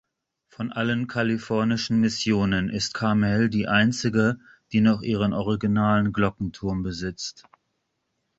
Von allen kalifornischen Missionen ist Carmel die einzige, die noch ihren originalen Glockenturm besitzt.